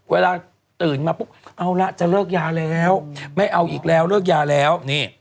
เวลาตื่นมาปุ๊บเอาละจะเลิกยาแล้วไม่เอาอีกแล้วเลิกยาแล้วนี่